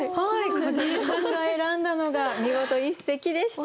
景井さんが選んだのが見事一席でした。